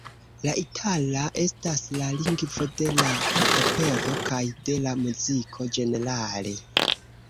La itala estas la lingvo de la opero kaj de la muziko ĝenerale.